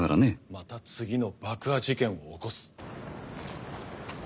また次の爆破事件を起こす。